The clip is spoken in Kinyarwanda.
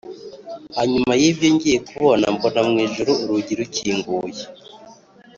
Hanyuma y’ibyo ngiye kubona mbona mu ijuru urugi rukinguye